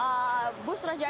meskipun kemacetan terjadi